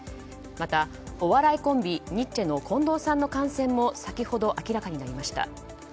また、お笑いコンビニッチェの近藤さんの感染も先ほど明らかになりました。